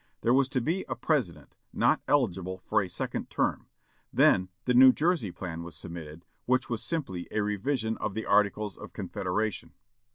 There was to be a President, not eligible for a second term. Then the "New Jersey plan" was submitted; which was simply a revision of the Articles of Confederation.